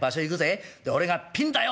で俺が『ピンだよ』